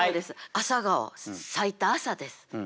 朝顔咲いた朝です。